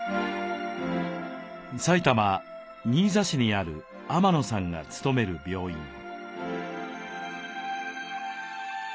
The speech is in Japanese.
埼玉・新座市にある天野さんが勤める病院。